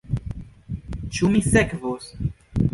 Ĉu mi sekvos?